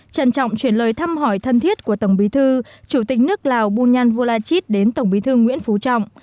trân trọng chuyển lời thăm hỏi thân thiết của tổng bí thư chủ tịch nước lào bu nhan vua la chít đến tổng bí thư nguyễn phú trọng